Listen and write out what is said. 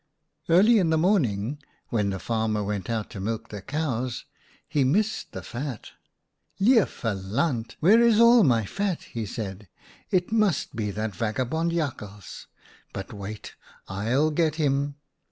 11 Early in the morning, when the farmer went out to milk the cows, he missed the fat. "' Lieve land ! Where is all my fat ?' he said. * It must be that vagabond Jakhals. But wait, I'll get him